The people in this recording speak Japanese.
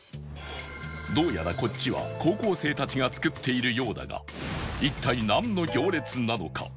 どうやらこっちは高校生たちが作っているようだが一体なんの行列なのか？